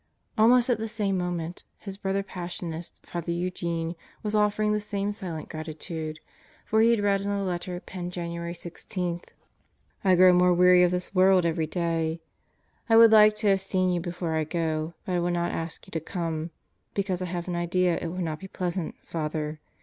Almost at the same moment, his brother Passionist, Father Eugene, was offering the same silent gratitude, for he had read in a letter penned January 16: I grow more weary of this world every day. ... I would like to have seen you before I go, but I will not ask you to come; because I have an idea it will not be pleasant, Father.